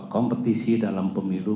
kompetisi dalam pemilu